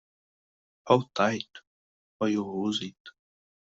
Hold tight, or you'll lose it!